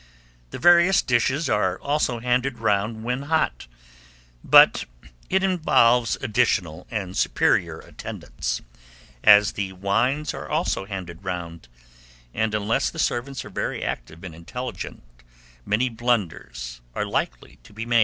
The various dishes are also handed round when hot; but it involves additional and superior attendance, as the wines are also handed round; and unless the servants are very active and intelligent, many blunders are likely to be made.